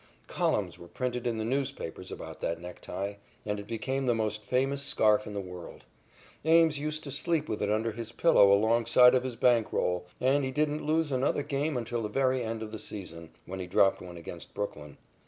Columns were printed in the newspapers about that necktie, and it became the most famous scarf in the world. Ames used to sleep with it under his pillow alongside of his bank roll, and he didn't lose another game until the very end of the season, when he dropped one against Brooklyn.